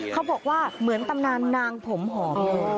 เขาบอกว่าเหมือนตำนานนางผมหอม